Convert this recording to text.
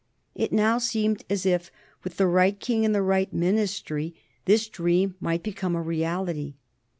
It now seemed as if with the right King and the right Ministry this dream might become a reality.